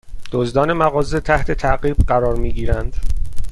دزدان مغازه تحت تعقیب قرار می گیرند